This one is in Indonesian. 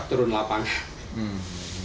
ke turun lapangan